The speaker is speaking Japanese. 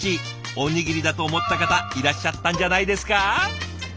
おにぎりだと思った方いらっしゃったんじゃないですか？